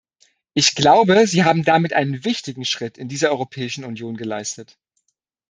Ich glaube, Sie haben damit einen wichtigen Schritt in dieser Europäischen Union geleistet.